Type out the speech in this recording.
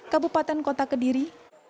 kabupaten kota kediri